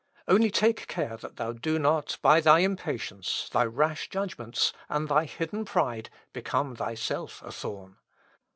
Only take care that thou do not by thy impatience, thy rash judgments, and thy hidden pride, become thyself a thorn.